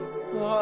あ！